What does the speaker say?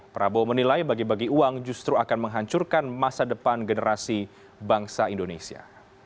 prabowo menilai bagi bagi uang justru akan menghancurkan masa depan generasi bangsa indonesia